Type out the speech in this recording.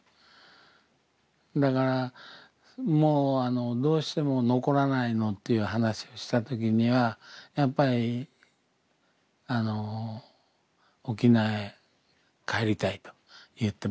だからもう「どうしても残らないの」っていう話をした時にはやっぱり沖縄へ帰りたいと言ってましたもんね。